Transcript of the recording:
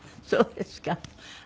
そうですか。